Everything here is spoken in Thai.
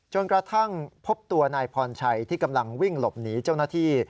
กระทั่งพบตัวนายพรชัยที่กำลังวิ่งหลบหนีเจ้าหน้าที่